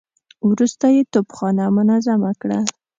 وروسته يې توپخانه منظمه کړه.